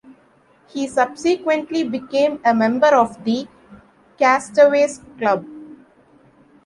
He subsequently became a member of the Castaways' Club.